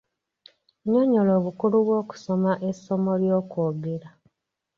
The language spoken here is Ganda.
Nnyonnyola obukulu bw'okusoma essomo ly'okwogera.